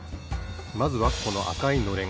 まずはこのあかいのれん。